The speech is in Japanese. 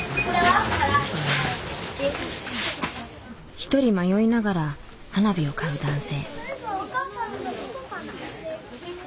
一人迷いながら花火を買う男性。